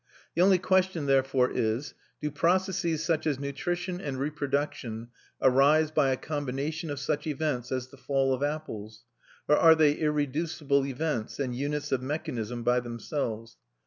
The only question therefore is: Do processes such as nutrition and reproduction arise by a combination of such events as the fall of apples? Or are they irreducible events, and units of mechanism by themselves?